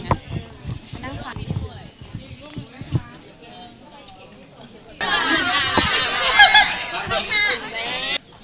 ฉันมาขวา